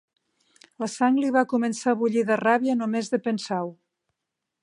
La sang li va començar a bullir de ràbia només de pensar-ho.